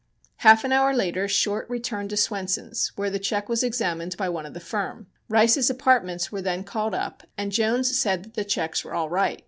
Half an hour later Short returned to Swenson's, where the check was examined by one of the firm. Rice's apartments were then called up, and Jones said that the checks were all right.